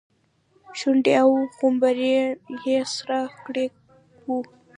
شونډې او غومبري يې سره کړي وو.